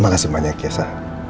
makasih banyak ya sa